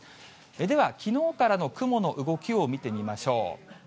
では、きのうからの雲の動きを見てみましょう。